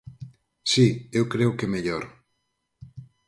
Si, eu creo que mellor.